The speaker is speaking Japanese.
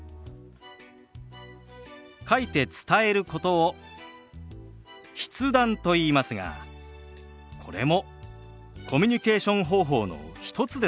書いて伝えることを「筆談」といいますがこれもコミュニケーション方法の一つですから。